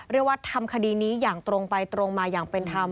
เรียกว่าทำคดีนี้อย่างตรงไปตรงมาอย่างเป็นธรรม